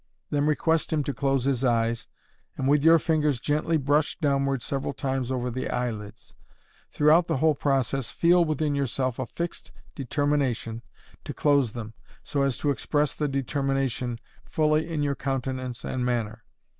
Then request him to close his eyes, and with your fingers gently brush downward several times over the eyelids. Throughout the whole process feel within yourself a fixed determination to close them, so as to express that determination fully in your countenance and manner.